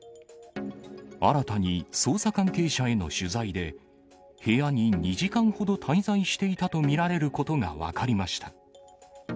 新たに捜査関係者への取材で、部屋に２時間ほど滞在していたと見られることが分かりました。